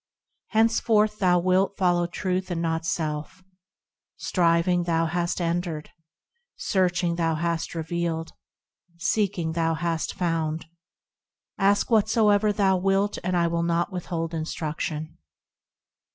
Henceforth thou wilt follow Truth and not self; Striving, thou hast entered ; Searching, thou hast revealed ; Seeking, thou hast found. Ask whatsoever thou wilt and I will not withhold instruction.